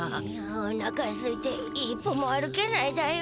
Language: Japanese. おなかすいて１歩も歩けないだよ。